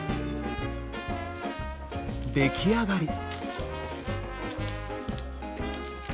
出来上がり！